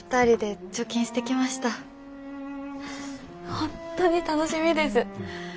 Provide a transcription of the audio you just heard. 本当に楽しみです。